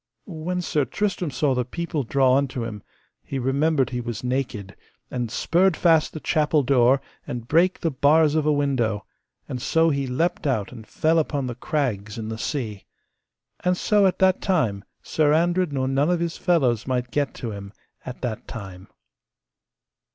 When Sir Tristram saw the people draw unto him, he remembered he was naked, and sperd fast the chapel door, and brake the bars of a window, and so he leapt out and fell upon the crags in the sea. And so at that time Sir Andred nor none of his fellows might get to him, at that time.